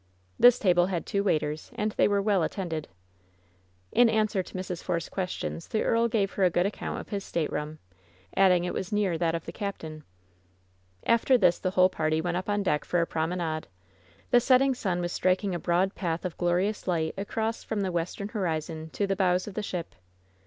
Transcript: This table had two waiters, and they were well at tended. In answer to Mrs. Force's questions the earl gave her a good account of his stateroom, adding it was near that of the captain. After this the whole party went up on deck for a promenade. The setting sun was striking a broad path of glorious light across from the western horizon to the bows of the ship.